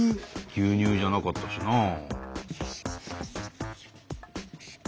牛乳じゃなかったしなあ。